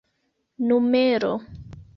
numero